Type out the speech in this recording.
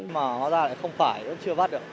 mà hóa ra lại không phải chưa bắt được